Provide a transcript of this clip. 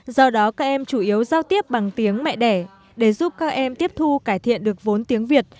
do đó các em chủ yếu giao tiếp bằng tiếng mẹ đẻ để giúp các em tiếp thu cải thiện được vốn tiếng việt